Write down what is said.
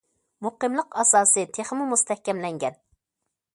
مۇقىملىق ئاساسى تېخىمۇ مۇستەھكەملەنگەن.